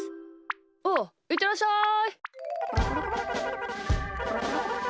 おういってらっしゃい。